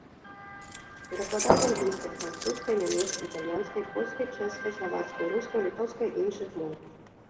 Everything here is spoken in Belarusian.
Перакладаў з англійскай, французскай, нямецкай, італьянскай, польскай, чэшскай, славацкай, рускай, літоўскай і іншых моў.